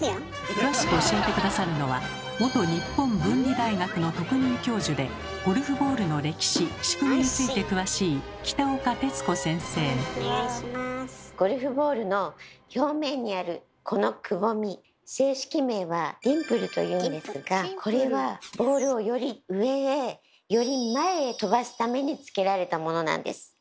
詳しく教えて下さるのは元日本文理大学の特任教授でゴルフボールの歴史仕組みについて詳しいゴルフボールの表面にあるこのくぼみ正式名は「ディンプル」というんですがこれはボールをより上へより前へ飛ばすためにつけられたものなんです。